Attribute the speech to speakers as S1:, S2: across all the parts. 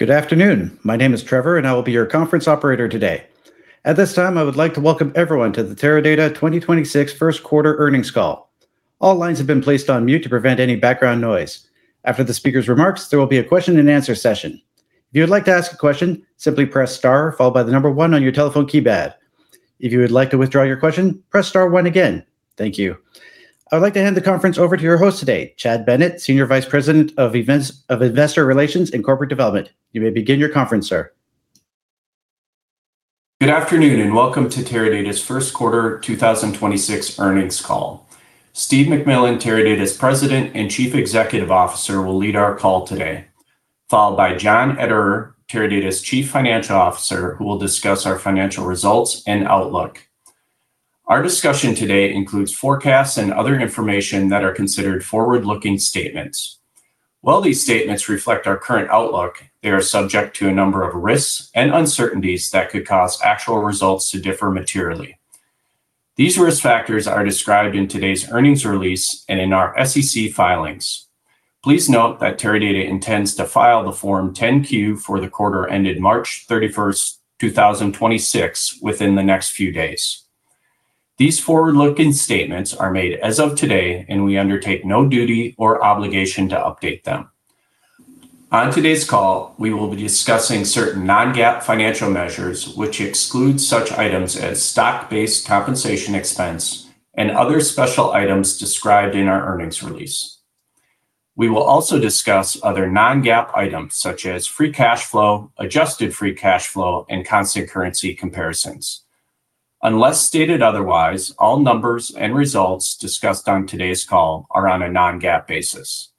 S1: Good afternoon. My name is Trevor, and I will be your conference operator today. At this time, I would like to welcome everyone to the Teradata 2026 first quarter earnings call. All lines have been placed on mute to prevent any background noise. After the speaker's remarks, there will be a question and answer session. If you would like to ask a question, simply press star followed by the number one on your telephone keypad. If you would like to withdraw your question, press star one again. Thank you. I would like to hand the conference over to your host today, Chad Bennett, Senior Vice President of Investor Relations and Corporate Development. You may begin your conference, sir.
S2: Good afternoon, welcome to Teradata's first quarter 2026 earnings call. Steve McMillan, Teradata's President and Chief Executive Officer, will lead our call today, followed by John Ederer, Teradata's Chief Financial Officer, who will discuss our financial results and outlook. Our discussion today includes forecasts and other information that are considered forward-looking statements. While these statements reflect our current outlook, they are subject to a number of risks and uncertainties that could cause actual results to differ materially. These risk factors are described in today's earnings release and in our SEC filings. Please note that Teradata intends to file the Form 10-Q for the quarter ended March 31st, 2026 within the next few days. These forward-looking statements are made as of today, and we undertake no duty or obligation to update them. On today's call, we will be discussing certain non-GAAP financial measures which exclude such items as stock-based compensation expense and other special items described in our earnings release. We will also discuss other non-GAAP items such as free cash flow, adjusted free cash flow, and constant currency comparisons. Unless stated otherwise, all numbers and results discussed on today's call are on a non-GAAP basis.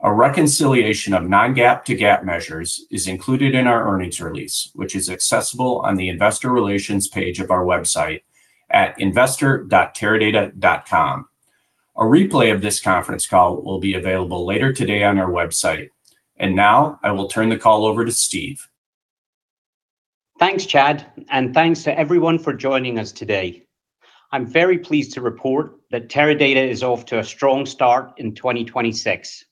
S2: A reconciliation of non-GAAP to GAAP measures is included in our earnings release, which is accessible on the investor relations page of our website at investor.teradata.com. A replay of this conference call will be available later today on our website. Now I will turn the call over to Steve.
S3: Thanks, Chad, and thanks to everyone for joining us today. I'm very pleased to report that Teradata is off to a strong start in 2026.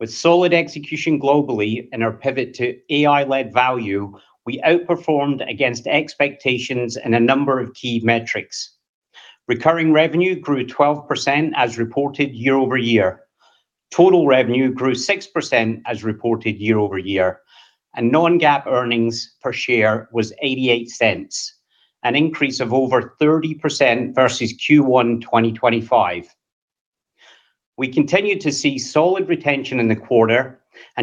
S3: With solid execution globally and our pivot to AI-led value, we outperformed against expectations in a number of key metrics. Recurring revenue grew 12% as reported year-over-year. Total revenue grew 6% as reported year-over-year. Non-GAAP earnings per share was $0.88, an increase of over 30% versus Q1 2025. We continued to see solid retention in the quarter.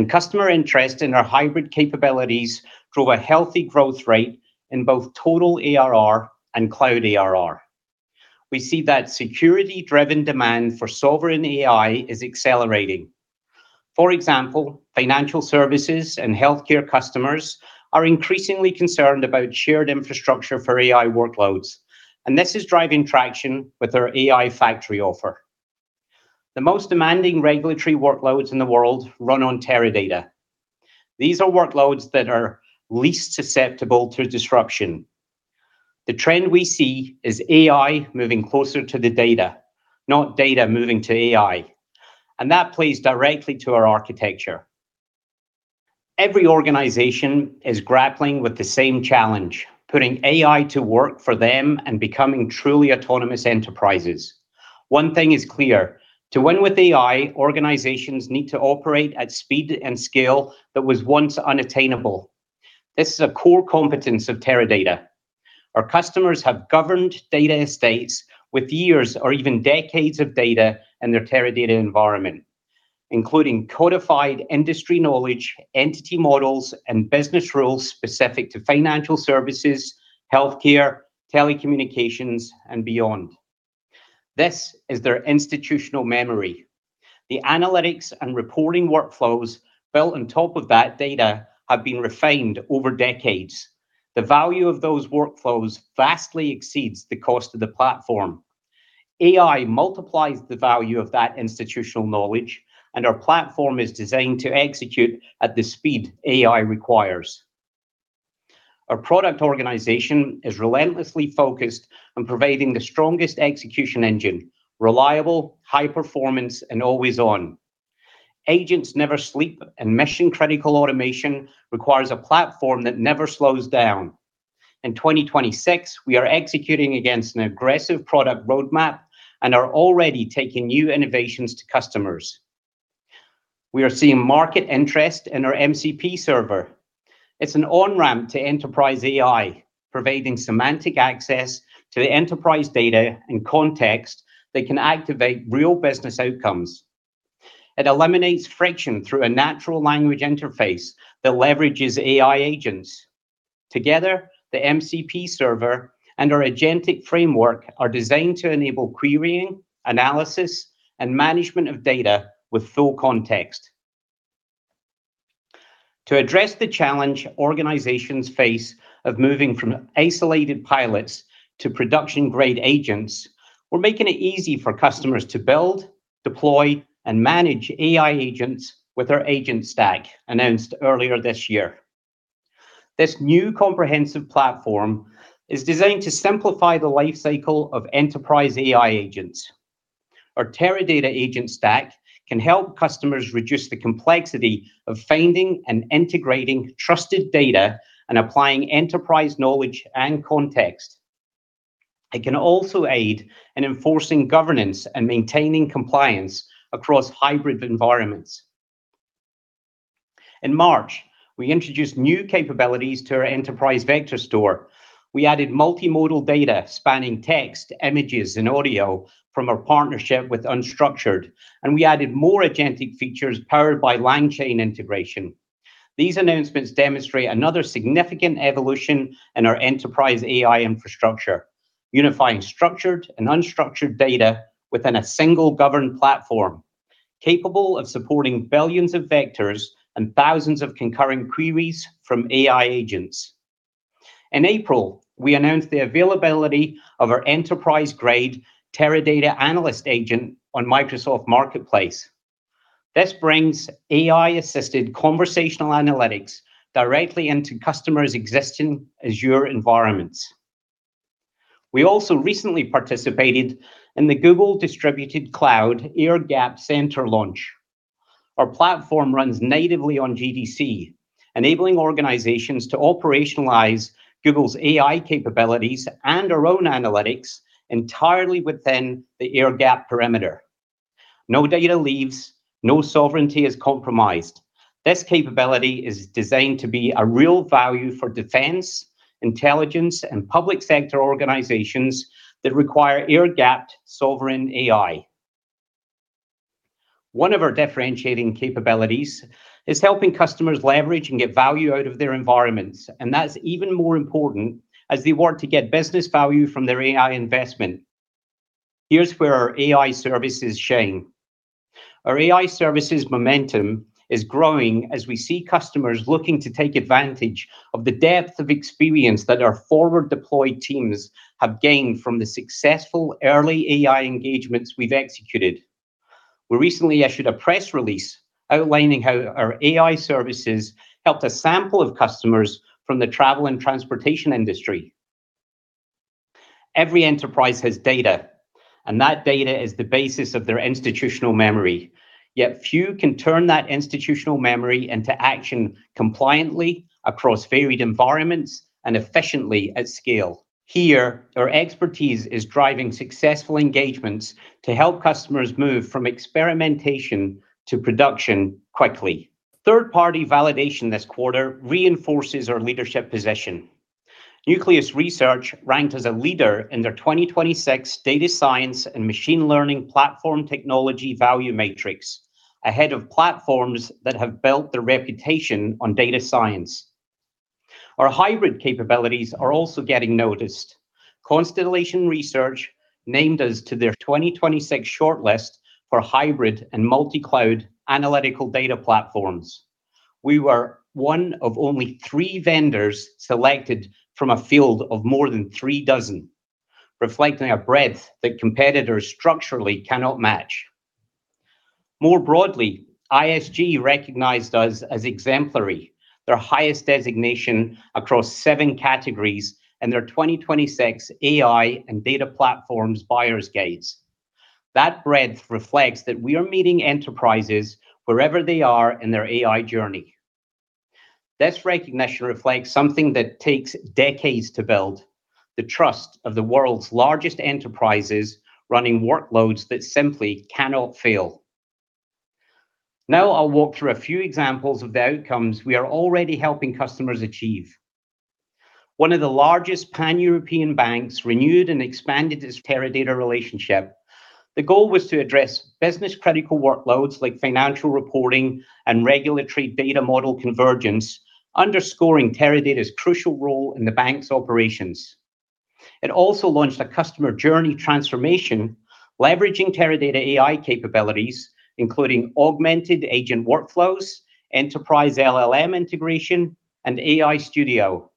S3: Customer interest in our hybrid capabilities drove a healthy growth rate in both total ARR and cloud ARR. We see that security-driven demand for sovereign AI is accelerating. For example, financial services and healthcare customers are increasingly concerned about shared infrastructure for AI workloads. This is driving traction with our AI Factory offer. The most demanding regulatory workloads in the world run on Teradata. These are workloads that are least susceptible to disruption. The trend we see is AI moving closer to the data, not data moving to AI, and that plays directly to our architecture. Every organization is grappling with the same challenge: putting AI to work for them and becoming truly autonomous enterprises. One thing is clear. To win with AI, organizations need to operate at speed and scale that was once unattainable. This is a core competence of Teradata. Our customers have governed data estates with years or even decades of data in their Teradata environment, including codified industry knowledge, entity models, and business rules specific to financial services, healthcare, telecommunications, and beyond. This is their institutional memory. The analytics and reporting workflows built on top of that data have been refined over decades. The value of those workflows vastly exceeds the cost of the platform. AI multiplies the value of that institutional knowledge, and our platform is designed to execute at the speed AI requires. Our product organization is relentlessly focused on providing the strongest execution engine, reliable, high performance, and always on. Agents never sleep, and mission-critical automation requires a platform that never slows down. In 2026, we are executing against an aggressive product roadmap and are already taking new innovations to customers. We are seeing market interest in our MCP server. It's an on-ramp to enterprise AI, providing semantic access to the enterprise data and context that can activate real business outcomes. It eliminates friction through a natural language interface that leverages AI agents. Together, the MCP server and our agentic framework are designed to enable querying, analysis, and management of data with full context. To address the challenge organizations face of moving from isolated pilots to production-grade agents, we're making it easy for customers to build, deploy, and manage AI agents with our AgentStack announced earlier this year. This new comprehensive platform is designed to simplify the life cycle of enterprise AI agents. Our Teradata AgentStack can help customers reduce the complexity of finding and integrating trusted data and applying enterprise knowledge and context. It can also aid in enforcing governance and maintaining compliance across hybrid environments. In March, we introduced new capabilities to our Enterprise Vector Store. We added multimodal data spanning text, images, and audio from our partnership with Unstructured, and we added more agentic features powered by LangChain integration. These announcements demonstrate another significant evolution in our enterprise AI infrastructure, unifying structured and unstructured data within a single governed platform, capable of supporting billions of vectors and thousands of concurring queries from AI agents. In April, we announced the availability of our enterprise-grade Teradata Analyst agent on Microsoft Marketplace. This brings AI-assisted conversational analytics directly into customers' existing Azure environments. We also recently participated in the Google Distributed Cloud air-gapped Center launch. Our platform runs natively on GDC, enabling organizations to operationalize Google's AI capabilities and our own analytics entirely within the air-gapped perimeter. No data leaves, no sovereignty is compromised. This capability is designed to be a real value for defense, intelligence, and public sector organizations that require air-gapped sovereign AI. One of our differentiating capabilities is helping customers leverage and get value out of their environments. That's even more important as they want to get business value from their AI investment. Here's where our AI services shine. Our AI services momentum is growing as we see customers looking to take advantage of the depth of experience that our forward deployed teams have gained from the successful early AI engagements we've executed. We recently issued a press release outlining how our AI services helped a sample of customers from the travel and transportation industry. Every enterprise has data. That data is the basis of their institutional memory. Yet few can turn that institutional memory into action compliantly across varied environments and efficiently at scale. Here, our expertise is driving successful engagements to help customers move from experimentation to production quickly. Third-party validation this quarter reinforces our leadership position. Nucleus Research ranked us a leader in their 2026 Data Science and Machine Learning Platform Technology Value Matrix, ahead of platforms that have built their reputation on data science. Our hybrid capabilities are also getting noticed. Constellation Research named us to their 2026 shortlist for hybrid and multi-cloud analytical data platforms. We were one of only three vendors selected from a field of more than three dozen, reflecting a breadth that competitors structurally cannot match. More broadly, ISG recognized us as exemplary, their highest designation across seven categories in their 2026 AI and Data Platforms Buyer's Guides. That breadth reflects that we are meeting enterprises wherever they are in their AI journey. This recognition reflects something that takes decades to build, the trust of the world's largest enterprises running workloads that simply cannot fail. Now I'll walk through a few examples of the outcomes we are already helping customers achieve. One of the largest Pan-European banks renewed and expanded its Teradata relationship. The goal was to address business-critical workloads like financial reporting and regulatory data model convergence, underscoring Teradata's crucial role in the bank's operations. It also launched a customer journey transformation, leveraging Teradata AI capabilities, including augmented agent workflows, enterprise LLM integration, and AI Studio.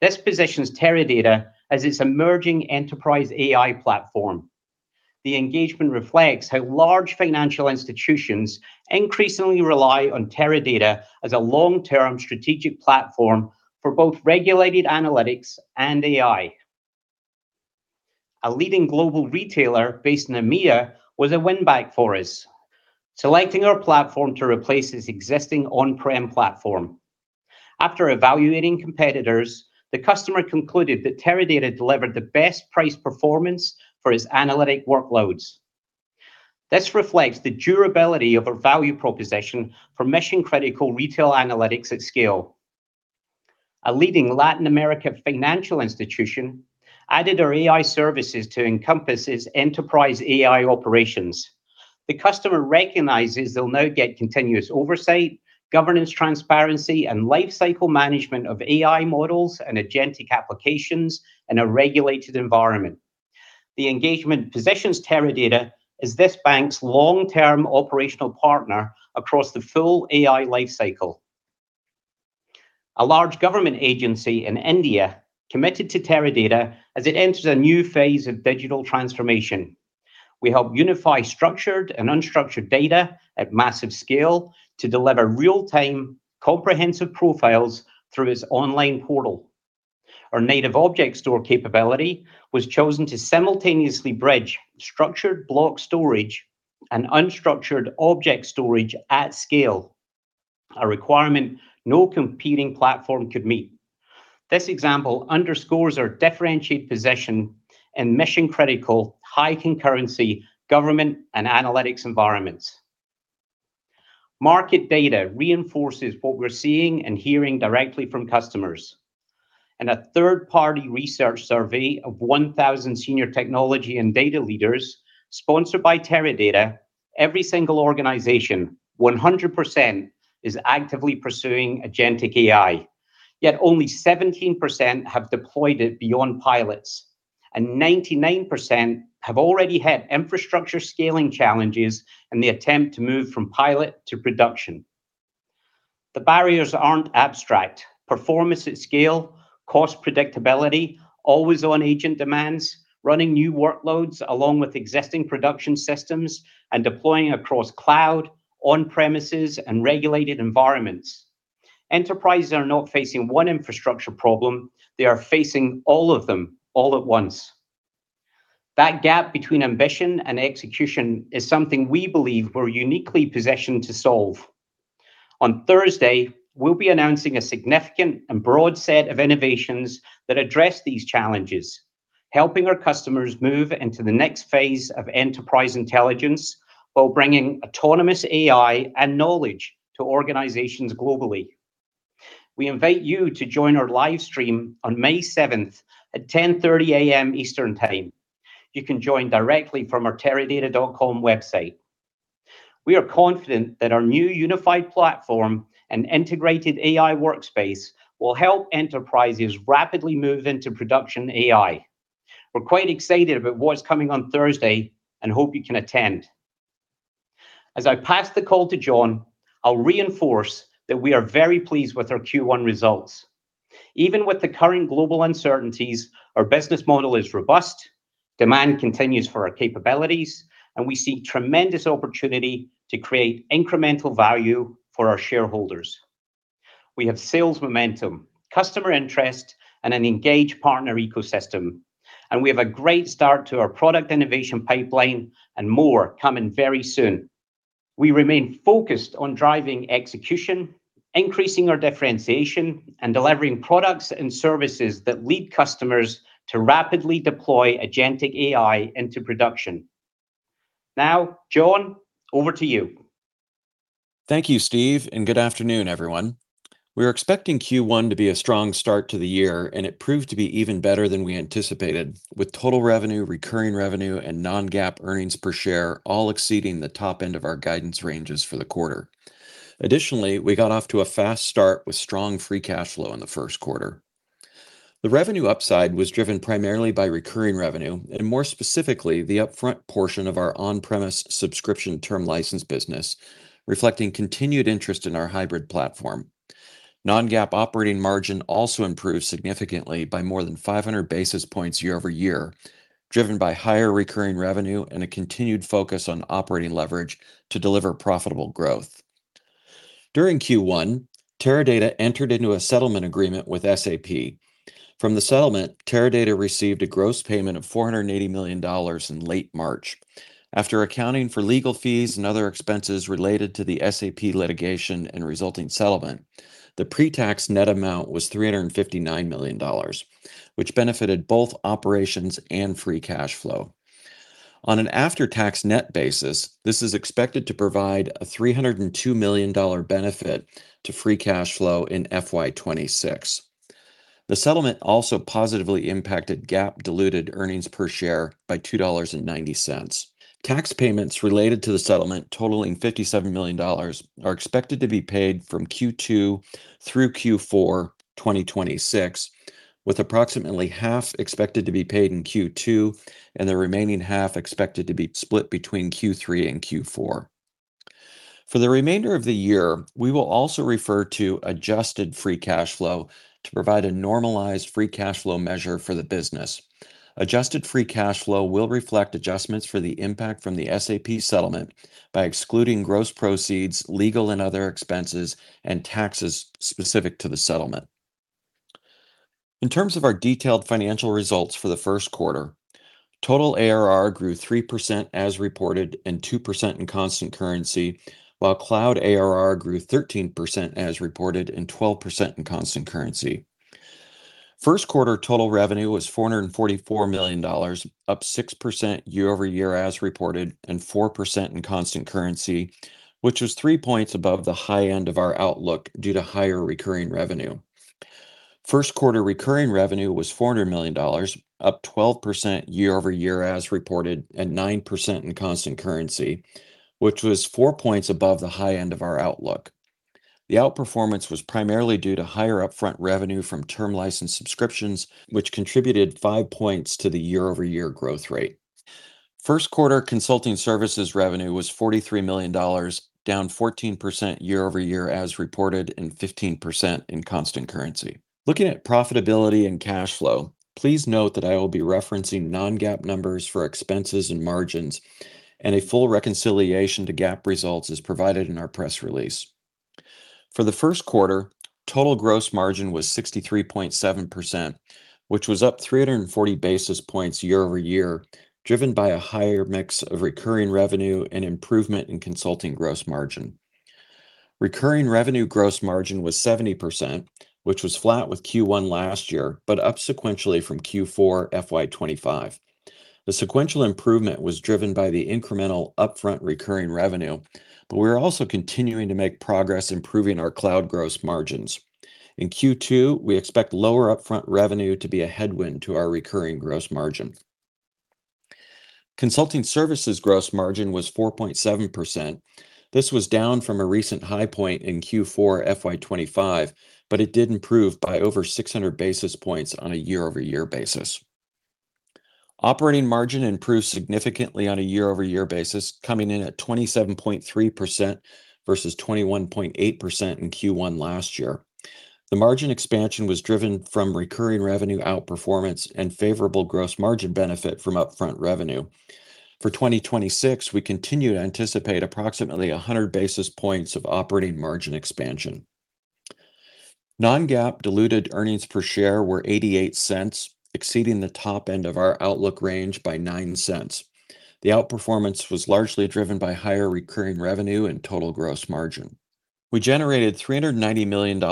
S3: This positions Teradata as its emerging enterprise AI platform. The engagement reflects how large financial institutions increasingly rely on Teradata as a long-term strategic platform for both regulated analytics and AI. A leading global retailer based in EMEA was a win-back for us, selecting our platform to replace its existing on-prem platform. After evaluating competitors, the customer concluded that Teradata delivered the best price performance for its analytic workloads. This reflects the durability of a value proposition for mission-critical retail analytics at scale. A leading Latin America financial institution added our AI services to encompass its enterprise AI operations. The customer recognizes they'll now get continuous oversight, governance transparency, and lifecycle management of AI models and agentic applications in a regulated environment. The engagement positions Teradata as this bank's long-term operational partner across the full AI lifecycle. A large government agency in India committed to Teradata as it enters a new phase of digital transformation. We help unify structured and unstructured data at massive scale to deliver real-time comprehensive profiles through its online portal. Our native object store capability was chosen to simultaneously bridge structured block storage and unstructured object storage at scale, a requirement no competing platform could meet. This example underscores our differentiated position in mission-critical, high-concurrency government and analytics environments. Market data reinforces what we're seeing and hearing directly from customers. In a third-party research survey of 1,000 senior technology and data leaders sponsored by Teradata, every single organization, 100%, is actively pursuing agentic AI. Only 17% have deployed it beyond pilots, and 99% have already had infrastructure scaling challenges in the attempt to move from pilot to production. The barriers aren't abstract. Performance at scale, cost predictability, always-on agent demands, running new workloads along with existing production systems, and deploying across cloud, on-premises, and regulated environments. Enterprises are not facing one infrastructure problem, they are facing all of them all at once. That gap between ambition and execution is something we believe we're uniquely positioned to solve. On Thursday, we'll be announcing a significant and broad set of innovations that address these challenges, helping our customers move into the next phase of enterprise intelligence while bringing autonomous AI and knowledge to organizations globally. We invite you to join our live stream on May 7th at 10:30 A.M. Eastern Time. You can join directly from our teradata.com website. We are confident that our new unified platform and integrated AI workspace will help enterprises rapidly move into production AI. We're quite excited about what's coming on Thursday and hope you can attend. As I pass the call to John, I'll reinforce that we are very pleased with our Q1 results. Even with the current global uncertainties, our business model is robust, demand continues for our capabilities, and we see tremendous opportunity to create incremental value for our shareholders. We have sales momentum, customer interest, and an engaged partner ecosystem, and we have a great start to our product innovation pipeline and more coming very soon. We remain focused on driving execution, increasing our differentiation, and delivering products and services that lead customers to rapidly deploy agentic AI into production. John, over to you.
S4: Thank you, Steve. Good afternoon, everyone. We were expecting Q1 to be a strong start to the year, and it proved to be even better than we anticipated, with total revenue, recurring revenue, and non-GAAP earnings per share all exceeding the top end of our guidance ranges for the quarter. Additionally, we got off to a fast start with strong free cash flow in the first quarter. The revenue upside was driven primarily by recurring revenue, and more specifically, the upfront portion of our on-premise subscription term license business, reflecting continued interest in our hybrid platform. Non-GAAP operating margin also improved significantly by more than 500 basis points year-over-year, driven by higher recurring revenue and a continued focus on operating leverage to deliver profitable growth. During Q1, Teradata entered into a settlement agreement with SAP. From the settlement, Teradata received a gross payment of $480 million in late March. After accounting for legal fees and other expenses related to the SAP litigation and resulting settlement, the pre-tax net amount was $359 million, which benefited both operations and free cash flow. On an after-tax net basis, this is expected to provide a $302 million benefit to free cash flow in FY 2026. The settlement also positively impacted GAAP diluted earnings per share by $2.90. Tax payments related to the settlement totaling $57 million are expected to be paid from Q2 through Q4 2026, with approximately half expected to be paid in Q2 and the remaining half expected to be split between Q3 and Q4. For the remainder of the year, we will also refer to adjusted free cash flow to provide a normalized free cash flow measure for the business. Adjusted free cash flow will reflect adjustments for the impact from the SAP settlement by excluding gross proceeds, legal and other expenses, and taxes specific to the settlement. In terms of our detailed financial results for the first quarter, total ARR grew 3% as reported and 2% in constant currency, while Cloud ARR grew 13% as reported and 12% in constant currency. First quarter total revenue was $444 million, up 6% year-over-year as reported and 4% in constant currency, which was 3 points above the high end of our outlook due to higher recurring revenue. First quarter recurring revenue was $400 million, up 12% year-over-year as reported and 9% in constant currency, which was 4 points above the high end of our outlook. The outperformance was primarily due to higher upfront revenue from term license subscriptions, which contributed 5 points to the year-over-year growth rate. First quarter consulting services revenue was $43 million, down 14% year-over-year as reported and 15% in constant currency. Looking at profitability and cash flow, please note that I will be referencing non-GAAP numbers for expenses and margins, and a full reconciliation to GAAP results is provided in our press release. For the first quarter, total gross margin was 63.7%, which was up 340 basis points year-over-year, driven by a higher mix of recurring revenue and improvement in consulting gross margin. Recurring revenue gross margin was 70%, which was flat with Q1 last year, but up sequentially from Q4 FY 2025. The sequential improvement was driven by the incremental upfront recurring revenue, but we're also continuing to make progress improving our cloud gross margins. In Q2, we expect lower upfront revenue to be a headwind to our recurring gross margin. Consulting services gross margin was 4.7%. This was down from a recent high point in Q4 FY 2025, but it did improve by over 600 basis points on a year-over-year basis. Operating margin improved significantly on a year-over-year basis, coming in at 27.3% versus 21.8% in Q1 last year. The margin expansion was driven from recurring revenue outperformance and favorable gross margin benefit from upfront revenue. For 2026, we continue to anticipate approximately 100 basis points of operating margin expansion. Non-GAAP diluted earnings per share were $0.88, exceeding the top end of our outlook range by $0.09. The outperformance was largely driven by higher recurring revenue and total gross margin. We generated $390 million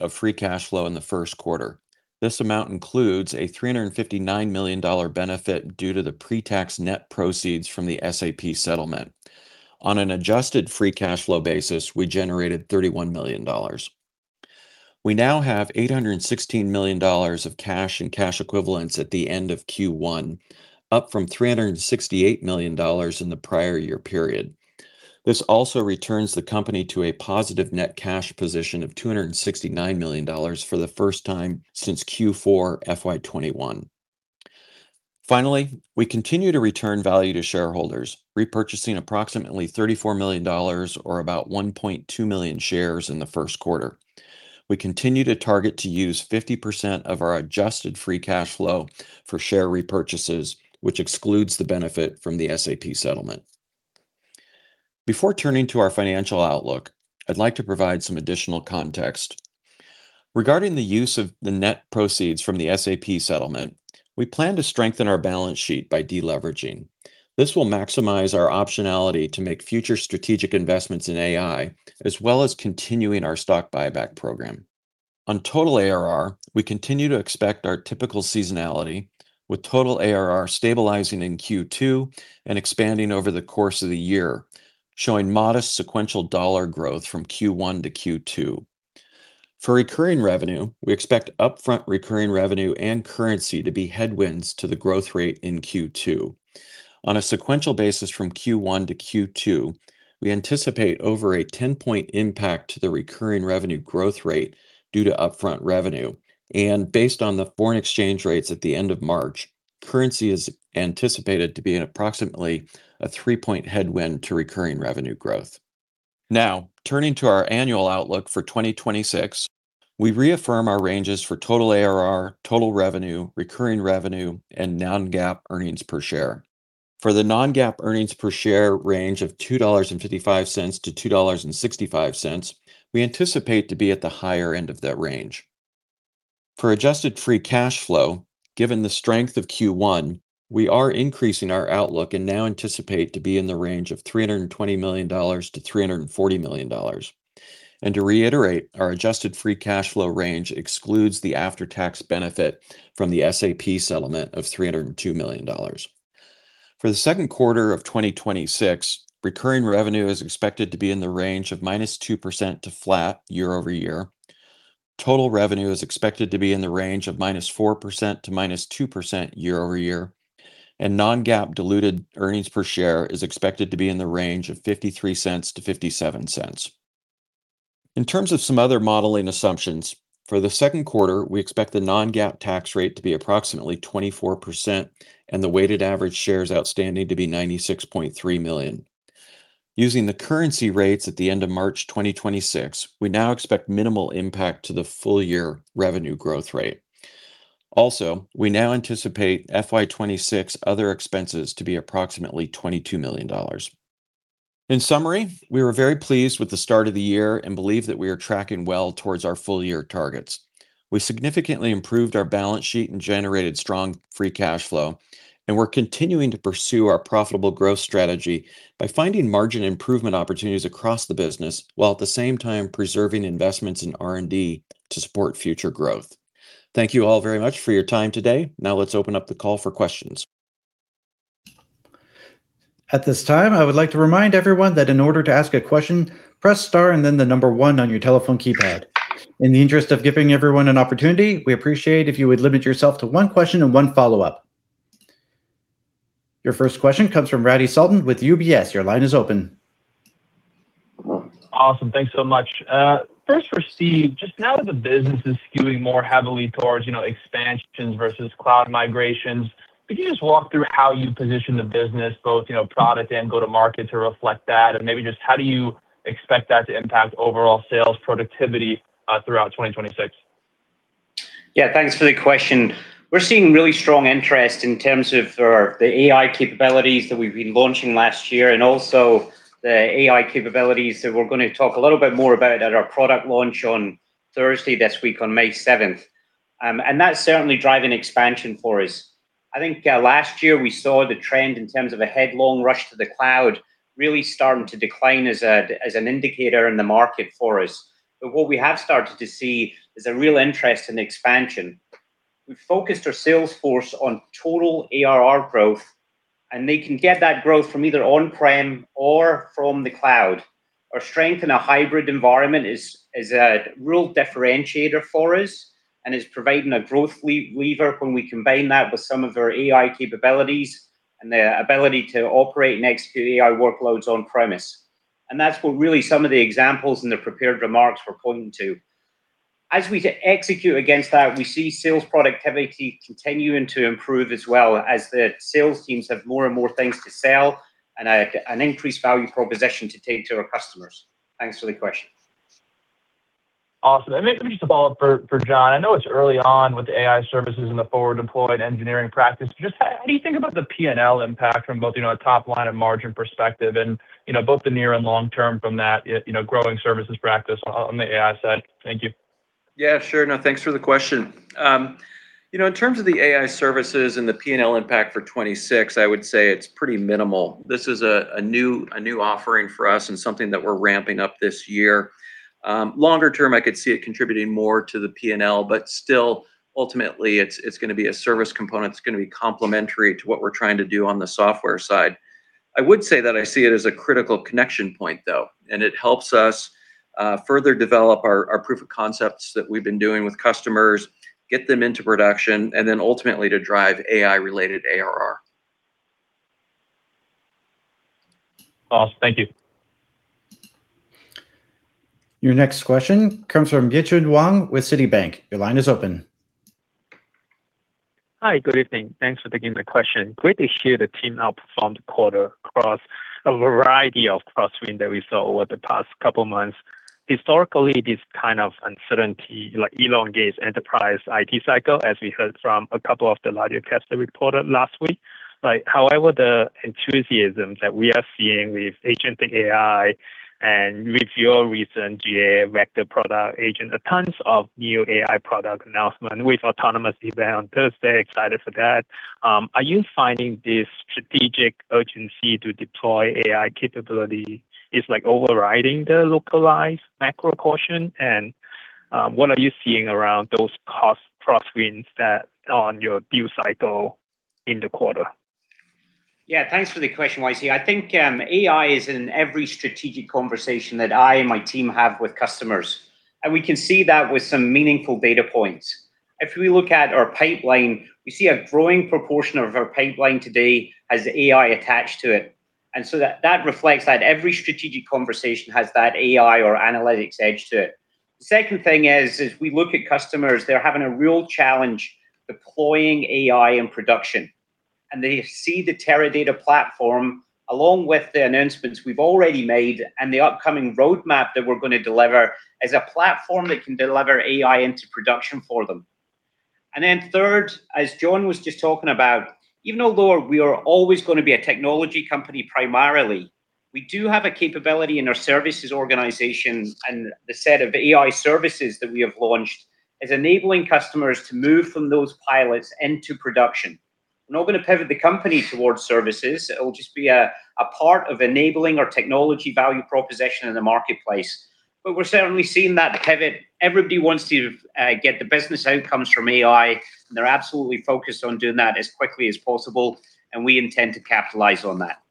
S4: of free cash flow in the first quarter. This amount includes a $359 million benefit due to the pre-tax net proceeds from the SAP settlement. On an adjusted free cash flow basis, we generated $31 million. We now have $816 million of cash and cash equivalents at the end of Q1, up from $368 million in the prior year period. This also returns the company to a positive net cash position of $269 million for the first time since Q4 FY 2021. We continue to return value to shareholders, repurchasing approximately $34 million or about 1.2 million shares in the first quarter. We continue to target to use 50% of our adjusted free cash flow for share repurchases, which excludes the benefit from the SAP settlement. Before turning to our financial outlook, I'd like to provide some additional context. Regarding the use of the net proceeds from the SAP settlement, we plan to strengthen our balance sheet by deleveraging. This will maximize our optionality to make future strategic investments in AI, as well as continuing our stock buyback program. On total ARR, we continue to expect our typical seasonality with total ARR stabilizing in Q2 and expanding over the course of the year, showing modest sequential dollar growth from Q1 to Q2. For recurring revenue, we expect upfront recurring revenue and currency to be headwinds to the growth rate in Q2. On a sequential basis from Q1 to Q2, we anticipate over a 10-point impact to the recurring revenue growth rate due to upfront revenue. Based on the foreign exchange rates at the end of March, currency is anticipated to be an approximately 3-point headwind to recurring revenue growth. Now, turning to our annual outlook for 2026, we reaffirm our ranges for total ARR, total revenue, recurring revenue, and non-GAAP earnings per share. For the non-GAAP earnings per share range of $2.55-$2.65, we anticipate to be at the higher end of that range. For adjusted free cash flow, given the strength of Q1, we are increasing our outlook and now anticipate to be in the range of $320 million-$340 million. To reiterate, our adjusted free cash flow range excludes the after-tax benefit from the SAP settlement of $302 million. For the second quarter of 2026, recurring revenue is expected to be in the range of -2% to flat year-over-year. Total revenue is expected to be in the range of -4% to -2% year-over-year. Non-GAAP diluted earnings per share is expected to be in the range of $0.53-$0.57. In terms of some other modeling assumptions, for the second quarter, we expect the non-GAAP tax rate to be approximately 24% and the weighted average shares outstanding to be 96.3 million. Using the currency rates at the end of March 2026, we now expect minimal impact to the full year revenue growth rate. We now anticipate FY 2026 other expenses to be approximately $22 million. In summary, we were very pleased with the start of the year and believe that we are tracking well towards our full year targets. We significantly improved our balance sheet and generated strong free cash flow, and we're continuing to pursue our profitable growth strategy by finding margin improvement opportunities across the business, while at the same time preserving investments in R&D to support future growth. Thank you all very much for your time today. Now let's open up the call for questions.
S1: At this time, I would like to remind everyone that in order to ask a question press star and then the number one on your telephone keypad. In the interest of giving everyone an opportunity, we appreciate if you would limit yourself to one question and one follow-up. Your first question comes from Radi Sultan with UBS. Your line is open.
S5: Awesome. Thanks so much. First for Steve, just now that the business is skewing more heavily towards expansions versus cloud migrations, could you just walk through how you position the business, both product and go-to-market to reflect that? Maybe just how do you expect that to impact overall sales productivity throughout 2026?
S3: Yeah, thanks for the question. We're seeing really strong interest in terms of our, the AI capabilities that we've been launching last year, and also the AI capabilities that we're gonna talk a little bit more about at our product launch on Thursday this week on May 7th. That's certainly driving expansion for us. I think, last year we saw the trend in terms of a headlong rush to the cloud really starting to decline as an indicator in the market for us. What we have started to see is a real interest in expansion. We've focused our sales force on total ARR growth, and they can get that growth from either on-prem or from the cloud. Our strength in a hybrid environment is a real differentiator for us and is providing a growth lever when we combine that with some of our AI capabilities and the ability to operate and execute AI workloads on-premise. That's what really some of the examples in the prepared remarks were pointing to. As we execute against that, we see sales productivity continuing to improve as well as the sales teams have more and more things to sell and an increased value proposition to take to our customers. Thanks for the question.
S5: Awesome. Let me just follow up for John. I know it's early on with the AI services and the forward deployed engineering practice. How do you think about the P&L impact from both, you know, a top line and margin perspective and, you know, both the near and long term from that, you know, growing services practice on the AI side? Thank you.
S4: Yeah, sure. No, thanks for the question. You know, in terms of the AI services and the P&L impact for 2026, I would say it's pretty minimal. This is a new offering for us and something that we're ramping up this year. Longer term, I could see it contributing more to the P&L, but still ultimately it's gonna be a service component. It's gonna be complementary to what we're trying to do on the software side. I would say that I see it as a critical connection point though, and it helps us further develop our proof of concepts that we've been doing with customers, get them into production, and then ultimately to drive AI related ARR.
S5: Awesome. Thank you.
S1: Your next question comes from Yitchuin Wong with Citibank. Your line is open.
S6: Hi, good evening. Thanks for taking the question. Great to hear the team outperformed the quarter across a variety of crosswinds that we saw over the past two months. Historically, this kind of uncertainty, like elongates enterprise IT cycles, as we heard from two of the larger techs that we reported last week. However, the enthusiasm that we are seeing with agentic AI and with your recent GA Vector product agent, tons of new AI product announcements with autonomous event on Thursday. Excited for that. Are you finding this strategic urgency to deploy AI capability is like overriding the localized macro caution? What are you seeing around those cost crosswinds that on your deal cycles in the quarter?
S3: Yeah, thanks for the question, Y.C. I think AI is in every strategic conversation that I and my team have with customers, and we can see that with some meaningful data points. If we look at our pipeline, we see a growing proportion of our pipeline today has AI attached to it. That reflects that every strategic conversation has that AI or analytics edge to it. The second thing is, as we look at customers, they're having a real challenge deploying AI in production, and they see the Teradata platform along with the announcements we've already made and the upcoming roadmap that we're gonna deliver as a platform that can deliver AI into production for them. Third, as John was just talking about, even although we are always gonna be a technology company primarily, we do have a capability in our services organization, and the set of AI services that we have launched is enabling customers to move from those pilots into production. We're not gonna pivot the company towards services. It'll just be a part of enabling our technology value proposition in the marketplace. We're certainly seeing that pivot. Everybody wants to get the business outcomes from AI, and they're absolutely focused on doing that as quickly as possible, and we intend to capitalize on that.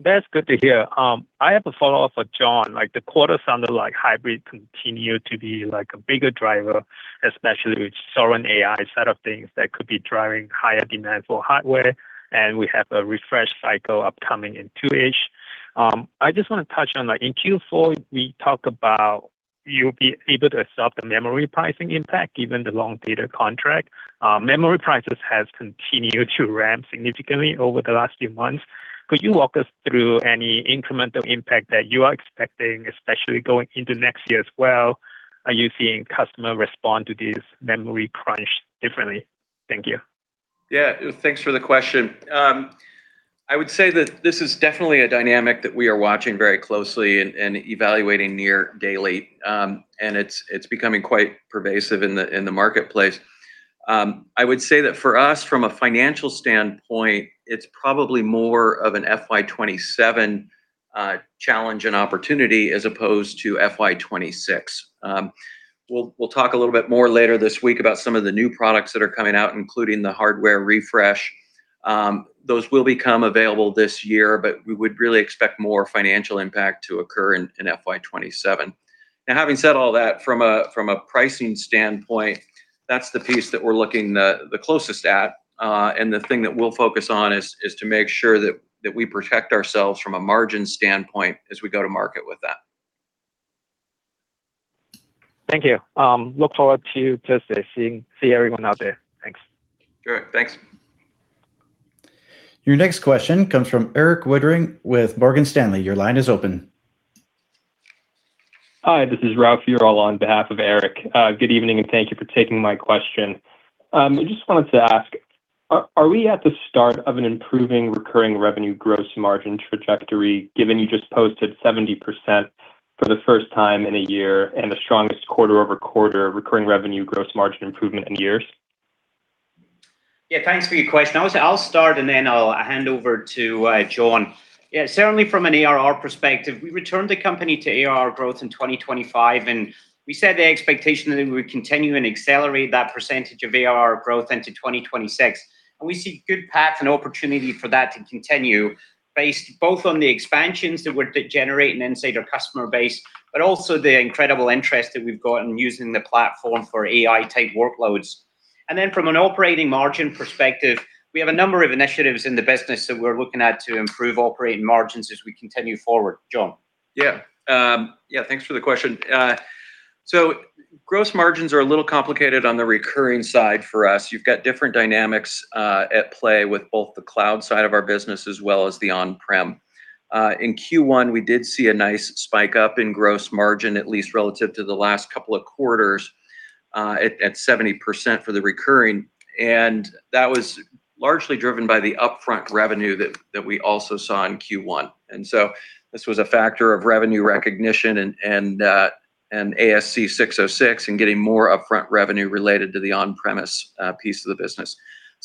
S6: That's good to hear. I have a follow-up for John. The quarter sounded like hybrid continued to be like a bigger driver, especially with sovereign AI set of things that could be driving higher demand for hardware, and we have a refresh cycle upcoming in two-ish. I just wanna touch on, like in Q4 we talked about you'll be able to absorb the memory pricing impact given the long data contract. Memory prices has continued to ramp significantly over the last few months. Could you walk us through any incremental impact that you are expecting, especially going into next year as well? Are you seeing customer respond to this memory crunch differently? Thank you.
S4: Thanks for the question. I would say that this is definitely a dynamic that we are watching very closely and evaluating near daily. It's becoming quite pervasive in the marketplace. I would say that for us from a financial standpoint, it's probably more of an FY 2027 challenge and opportunity as opposed to FY 2026. We'll talk a little bit more later this week about some of the new products that are coming out, including the hardware refresh. Those will become available this year, but we would really expect more financial impact to occur in FY 2027. Now having said all that, from a pricing standpoint, that's the piece that we're looking the closest at. The thing that we'll focus on is to make sure that we protect ourselves from a margin standpoint as we go to market with that.
S6: Thank you. Look forward to Thursday, see everyone out there. Thanks.
S4: Sure. Thanks.
S1: Your next question comes from Erik Woodring with Morgan Stanley.
S7: Hi, this is Rauf Ural on behalf of Erik. Good evening, and thank you for taking my question. I just wanted to ask, are we at the start of an improving recurring revenue gross margin trajectory, given you just posted 70% for the first time in a year and the strongest quarter-over-quarter recurring revenue gross margin improvement in years?
S3: Yeah, thanks for your question. I'll start, then I'll hand over to John. Yeah, certainly from an ARR perspective, we returned the company to ARR growth in 2025, we set the expectation that we would continue and accelerate that percentage of ARR growth into 2026. We see good path and opportunity for that to continue based both on the expansions that we're generating inside our customer base, but also the incredible interest that we've gotten using the platform for AI-type workloads. From an operating margin perspective, we have a number of initiatives in the business that we're looking at to improve operating margins as we continue forward. John?
S4: Thanks for the question. Gross margins are a little complicated on the recurring side for us. You've got different dynamics at play with both the cloud side of our business as well as the on-prem. In Q1, we did see a nice spike up in gross margin, at least relative to the last couple of quarters, at 70% for the recurring, and that was largely driven by the upfront revenue that we also saw in Q1. This was a factor of revenue recognition and ASC 606 and getting more upfront revenue related to the on-premise piece of the business.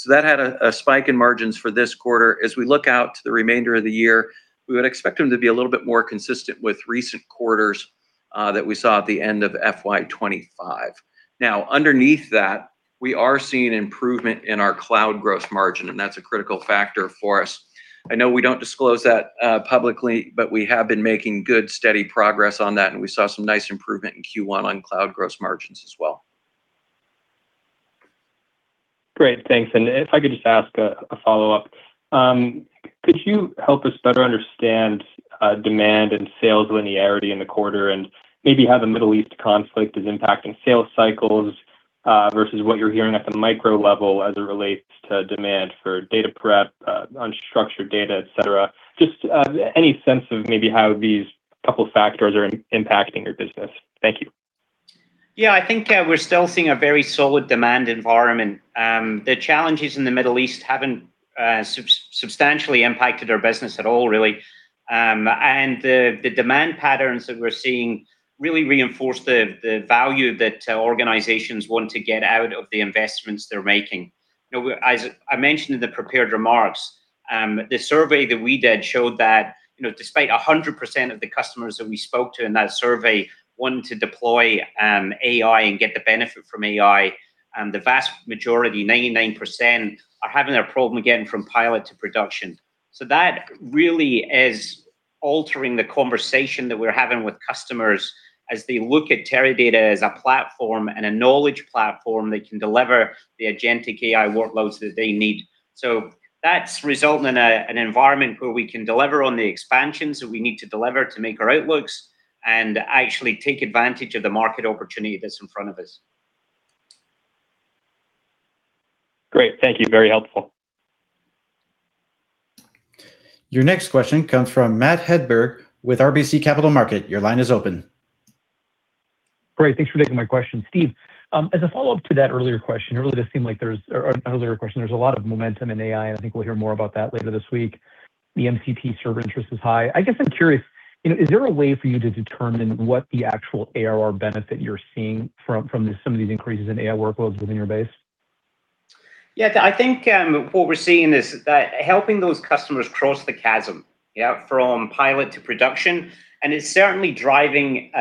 S4: That had a spike in margins for this quarter. As we look out to the remainder of the year, we would expect them to be a little bit more consistent with recent quarters that we saw at the end of FY 2025. Underneath that, we are seeing improvement in our cloud gross margin, and that's a critical factor for us. I know we don't disclose that publicly, but we have been making good, steady progress on that, and we saw some nice improvement in Q1 on cloud gross margins as well.
S7: Great. Thanks. If I could just ask a follow-up. Could you help us better understand demand and sales linearity in the quarter and maybe how the Middle East conflict is impacting sales cycles versus what you're hearing at the micro level as it relates to demand for data prep, unstructured data, et cetera? Just any sense of maybe how these couple factors are impacting your business. Thank you.
S3: I think, we're still seeing a very solid demand environment. The challenges in the Middle East haven't substantially impacted our business at all really. The demand patterns that we're seeing really reinforce the value that organizations want to get out of the investments they're making. You know, as I mentioned in the prepared remarks, the survey that we did showed that, you know, despite 100% of the customers that we spoke to in that survey wanting to deploy AI and get the benefit from AI, the vast majority, 99%, are having a problem getting from pilot to production. That really is altering the conversation that we're having with customers as they look at Teradata as a platform and a knowledge platform that can deliver the agentic AI workloads that they need. That's resulting in an environment where we can deliver on the expansions that we need to deliver to make our outlooks and actually take advantage of the market opportunity that's in front of us.
S7: Great. Thank you. Very helpful.
S1: Your next question comes from Matt Hedberg with RBC Capital Markets. Your line is open.
S8: Great. Thanks for taking my question. Steve, as a follow-up to that earlier question, it really does seem like there's a lot of momentum in AI, and I think we'll hear more about that later this week. The MCP server interest is high. I guess I'm curious, you know, is there a way for you to determine what the actual ARR benefit you're seeing from some of these increases in AI workloads within your base?
S3: I think what we're seeing is that helping those customers cross the chasm from pilot to production, and it's certainly driving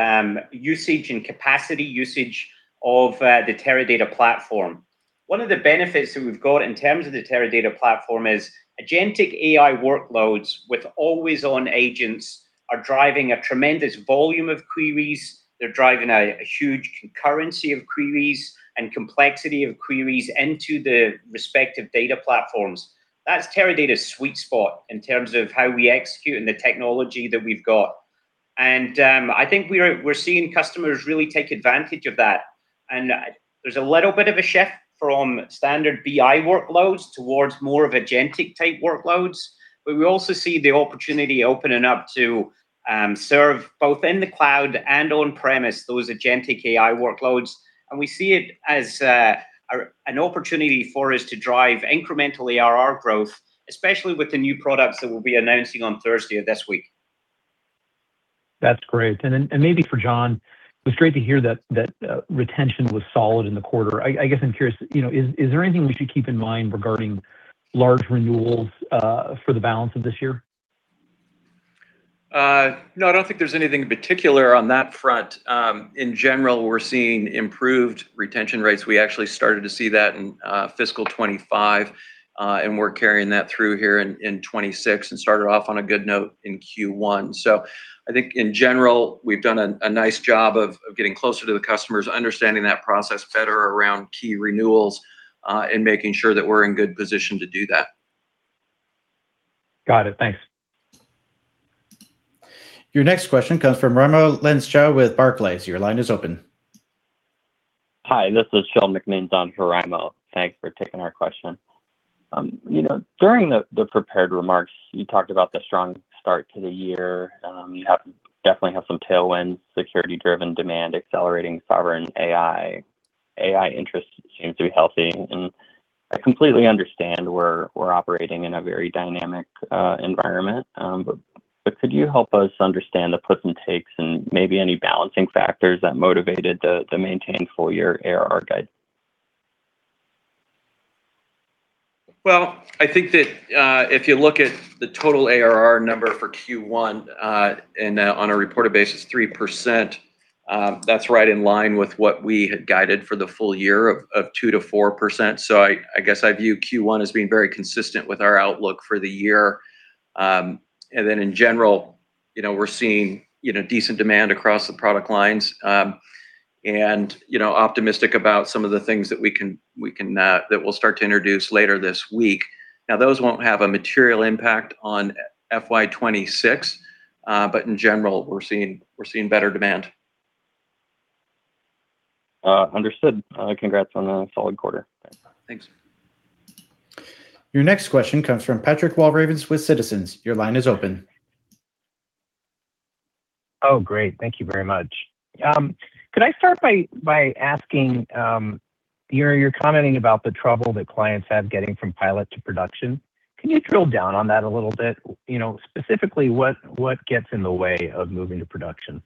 S3: usage and capacity usage of the Teradata platform. One of the benefits that we've got in terms of the Teradata platform is agentic AI workloads with always-on agents are driving a tremendous volume of queries. They're driving a huge concurrency of queries and complexity of queries into the respective data platforms. That's Teradata's sweet spot in terms of how we execute and the technology that we've got. I think we're seeing customers really take advantage of that. There's a little bit of a shift from standard BI workloads towards more of agentic-type workloads. We also see the opportunity opening up to serve both in the cloud and on-premise those agentic AI workloads, and we see it as an opportunity for us to drive incremental ARR growth, especially with the new products that we'll be announcing on Thursday of this week.
S8: That's great. Maybe for John, it was great to hear that retention was solid in the quarter. I guess I'm curious, you know, is there anything we should keep in mind regarding large renewals for the balance of this year?
S4: No, I don't think there's anything in particular on that front. In general, we're seeing improved retention rates. We actually started to see that in fiscal 2025, and we're carrying that through here in 2026 and started off on a good note in Q1. I think in general, we've done a nice job of getting closer to the customers, understanding that process better around key renewals, and making sure that we're in good position to do that.
S8: Got it. Thanks.
S1: Your next question comes from Raimo Lenschow with Barclays. Your line is open.
S9: Hi, this is Shel McMeans on for Raimo. Thanks for taking our question. You know, during the prepared remarks, you talked about the strong start to the year. You definitely have some tailwinds, security-driven demand, accelerating sovereign AI. AI interest seems to be healthy, and I completely understand we're operating in a very dynamic environment. Could you help us understand the puts and takes and maybe any balancing factors that motivated the maintained full-year ARR guide?
S4: Well, I think that, if you look at the total ARR number for Q1, and on a reported basis 3%, that's right in line with what we had guided for the full year of 2%-4%. I guess I view Q1 as being very consistent with our outlook for the year. In general, you know, we're seeing, you know, decent demand across the product lines. Optimistic about some of the things that we can that we'll start to introduce later this week. Now, those won't have a material impact on FY 2026, but in general, we're seeing better demand.
S9: Understood. congrats on a solid quarter.
S4: Thanks.
S1: Your next question comes from Patrick Walravens with Citizens. Your line is open.
S10: Great. Thank you very much. Could I start by asking, you're commenting about the trouble that clients have getting from pilot to production. Can you drill down on that a little bit? You know, specifically what gets in the way of moving to production?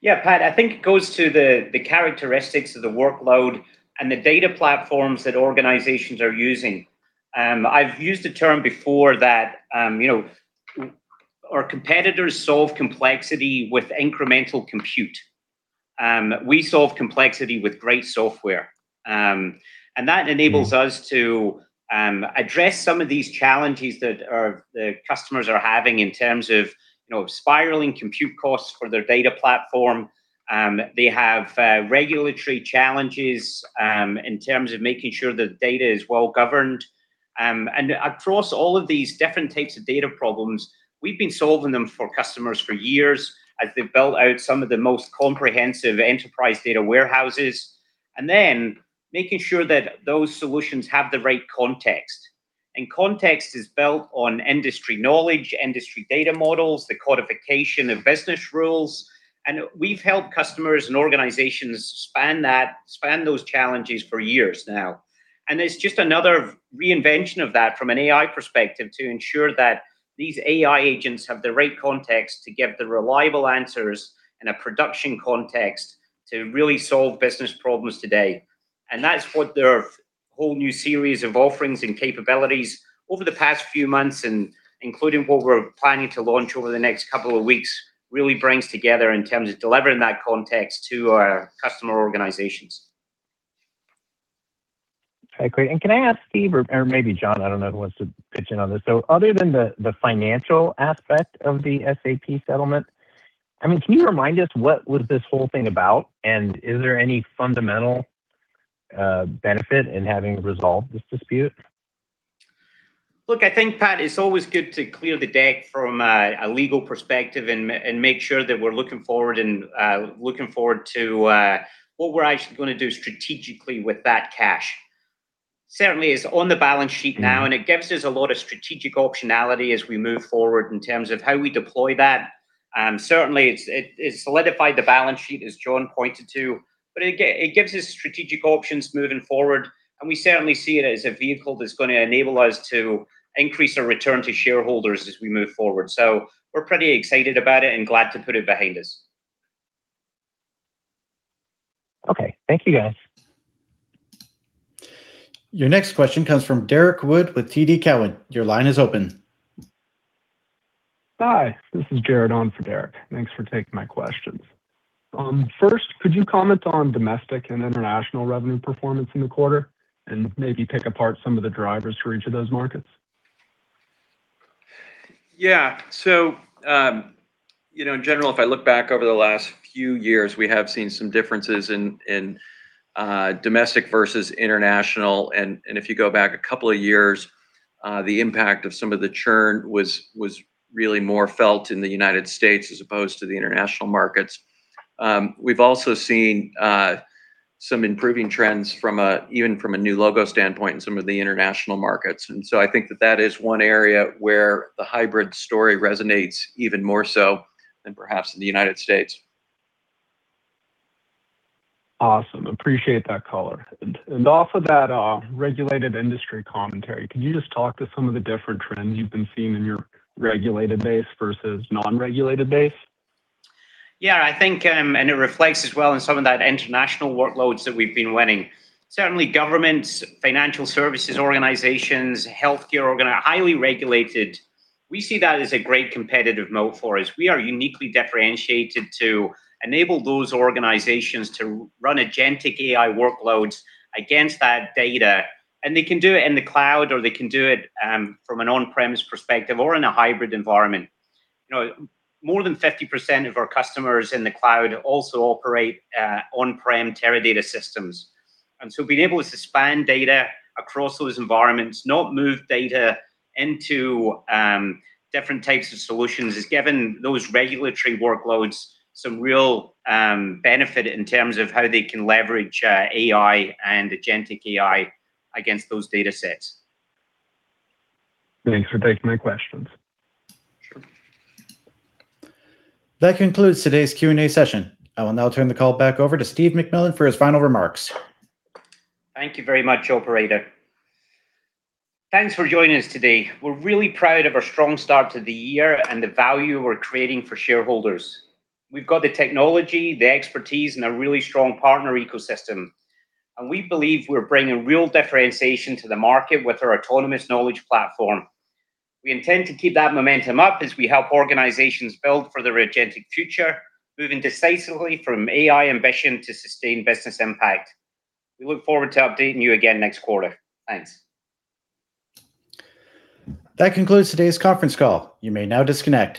S3: Yeah, Pat. I think it goes to the characteristics of the workload and the data platforms that organizations are using. I've used the term before that, you know, our competitors solve complexity with incremental compute. We solve complexity with great software. That enables us to, address some of these challenges that are the customers are having in terms of, you know, spiraling compute costs for their data platform. They have, regulatory challenges, in terms of making sure the data is well-governed. Across all of these different types of data problems, we've been solving them for customers for years as they've built out some of the most comprehensive enterprise data warehouses. Then making sure that those solutions have the right context, and context is built on industry knowledge, industry data models, the codification of business rules. We've helped customers and organizations span that, span those challenges for years now, and it's just another reinvention of that from an AI perspective to ensure that these AI agents have the right context to give the reliable answers in a production context to really solve business problems today. That's what their whole new series of offerings and capabilities over the past few months and including what we're planning to launch over the next couple of weeks really brings together in terms of delivering that context to our customer organizations.
S10: Okay, great. Can I ask Steve or maybe John, I don't know who wants to pitch in on this. Other than the financial aspect of the SAP settlement, I mean, can you remind us what was this whole thing about? Is there any fundamental benefit in having resolved this dispute?
S3: Look, I think, Pat, it's always good to clear the deck from a legal perspective and make sure that we're looking forward and looking forward to what we're actually gonna do strategically with that cash. Certainly it's on the balance sheet now, and it gives us a lot of strategic optionality as we move forward in terms of how we deploy that. Certainly it's solidified the balance sheet, as John pointed to, but it gives us strategic options moving forward, and we certainly see it as a vehicle that's gonna enable us to increase our return to shareholders as we move forward. We're pretty excited about it and glad to put it behind us.
S10: Okay. Thank you, guys.
S1: Your next question comes from Derrick Wood with TD Cowen. Your line is open.
S11: Hi, this is Jared on for Derrick. Thanks for taking my questions. First, could you comment on domestic and international revenue performance in the quarter and maybe pick apart some of the drivers for each of those markets?
S4: Yeah. You know, in general, if I look back over the last few years, we have seen some differences in domestic versus international. If you go back a couple of years, the impact of some of the churn was really more felt in the United States as opposed to the international markets. We've also seen some improving trends even from a new logo standpoint in some of the international markets. I think that is one area where the hybrid story resonates even more so than perhaps in the United States.
S11: Awesome. Appreciate that color. Off of that, regulated industry commentary, can you just talk to some of the different trends you've been seeing in your regulated base versus non-regulated base?
S3: I think it reflects as well in some of that international workloads that we've been winning. Certainly governments, financial services organizations, healthcare highly regulated, we see that as a great competitive moat for us. We are uniquely differentiated to enable those organizations to run agentic AI workloads against that data, they can do it in the cloud, or they can do it from an on-premise perspective or in a hybrid environment. You know, more than 50% of our customers in the cloud also operate on-prem Teradata systems. Being able to span data across those environments, not move data into different types of solutions, has given those regulatory workloads some real benefit in terms of how they can leverage AI and agentic AI against those datasets.
S11: Thanks for taking my questions.
S3: Sure.
S1: That concludes today's Q&A session. I will now turn the call back over to Steve McMillan for his final remarks.
S3: Thank you very much, operator. Thanks for joining us today. We're really proud of our strong start to the year and the value we're creating for shareholders. We've got the technology, the expertise, and a really strong partner ecosystem, and we believe we're bringing real differentiation to the market with our autonomous knowledge platform. We intend to keep that momentum up as we help organizations build for their agentic future, moving decisively from AI ambition to sustained business impact. We look forward to updating you again next quarter. Thanks.
S1: That concludes today's conference call. You may now disconnect.